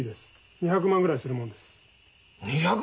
２００万ぐらいするもんです。